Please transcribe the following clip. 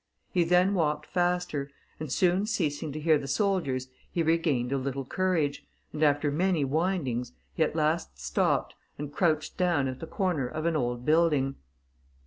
He then walked faster, and soon ceasing to hear the soldiers, he regained a little courage, and after many windings, he at last stopped, and crouched down at the corner of an old building.